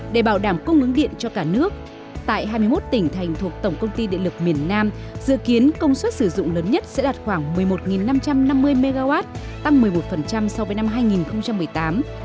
để bảo đảm cung ứng điện cho cả nước tại hai mươi một tỉnh thành thuộc tổng công ty điện lực miền nam dự kiến công suất sử dụng lớn nhất sẽ đạt khoảng một mươi một năm trăm năm mươi mw tăng một mươi một so với năm hai nghìn một mươi tám